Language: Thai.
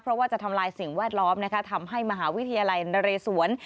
เพราะว่าจะทำลายสิ่งแวดล้อมนะคะทำให้มหาวิทยาลัยนเรศวร